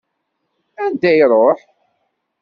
Anda i iṛuḥ?